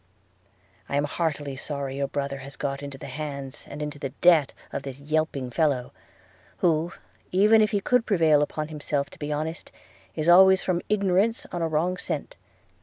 – I am heartily sorry your brother has got into the hands and into the debt of this yelping fellow; who, even if he could prevail upon himself to be honest, is always from ignorance on a wrong scent.